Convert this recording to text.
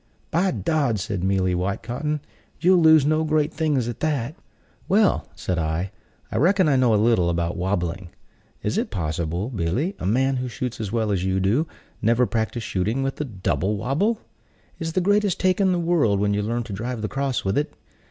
"By dod," said Mealy Whitecotton, "you'll lose no great things at that." "Well," said I, "I reckon I know a little about wabbling. Is it possible, Billy, a man who shoots as well as you do, never practiced shooting with the double wabble? It's the greatest take in the world when you learn to drive the cross with it.